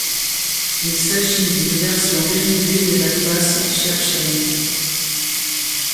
Il s'agit d'une version dérivée de la classe Shershen.